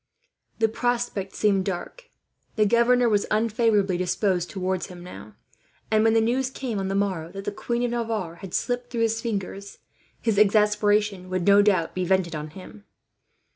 The prospect seemed dark. The governor was unfavourably disposed towards him now; and when the news came, on the morrow, that the Queen of Navarre had slipped through his fingers, his exasperation would no doubt be vented on him.